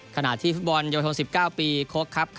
ขณะที่ฟิธีบอลมน๑๙ปีโค้ชครับ